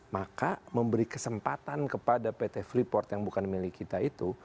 maka memberi kesempatan kepada pt freeport yang bukan milik kita itu